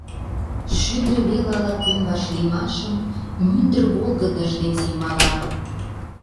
Шӱдыр вел ала-кӧн вашлиймашым Мӱндыр волгыдыж ден семала.